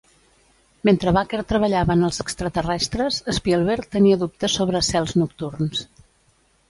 Mentre Baker treballava en els extraterrestres, Spielberg tenia dubtes sobre "Cels nocturns".